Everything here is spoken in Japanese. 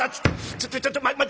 ちょっとちょっと待って。